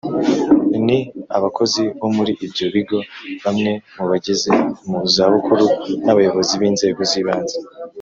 Ni abakozi bo muri ibyo bigo bamwe mu bageze mu zabukuru n’abayobozi b’Inzego z’Ibanze